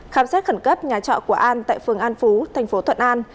khám xét khẩn cấp nhà trọ của an tại phường an phú thành phố thuận an